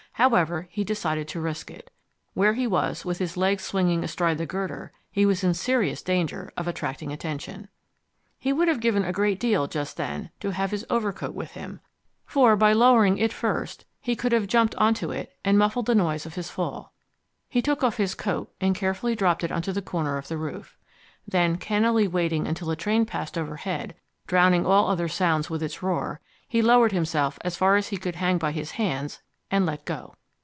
However, he decided to risk it. Where he was, with his legs swinging astride the girder, he was in serious danger of attracting attention. He would have given a great deal, just then, to have his overcoat with him, for by lowering it first he could have jumped onto it and muffled the noise of his fall. He took off his coat and carefully dropped it on the corner of the roof. Then cannily waiting until a train passed overhead, drowning all other sounds with its roar, he lowered himself as far as he could hang by his hands, and let go.